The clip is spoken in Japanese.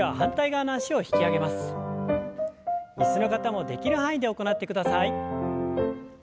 椅子の方もできる範囲で行ってください。